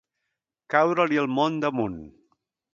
Caure-li el món damunt.